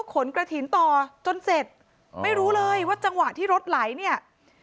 ขนกระถิ่นต่อจนเสร็จไม่รู้เลยว่าจังหวะที่รถไหลเนี่ย